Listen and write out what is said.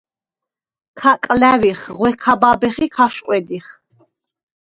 ქ’აკალა̈ვიხ, ღვე ქ’აბაბეხ ი ქ’ა̈შყვედიხ.